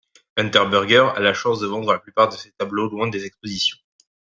Unterberger a la chance de vendre la plupart de ses tableaux loin des expositions.